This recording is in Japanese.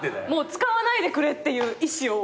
使わないでくれっていう意思を。